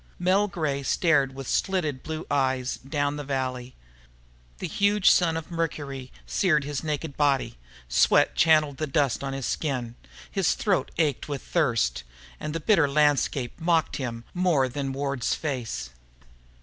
Mel Gray stared with slitted blue eyes down the valley. The huge sun of Mercury seared his naked body. Sweat channeled the dust on his skin. His throat ached with thirst. And the bitter landscape mocked him more than Wade's dark face.